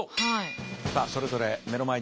さあそれぞれ目の前にあります